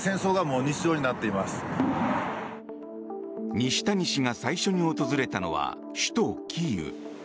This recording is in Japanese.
西谷氏が最初に訪れたのは首都キーウ。